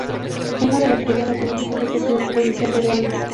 Uno de los primeros animadores de la televisión peruana.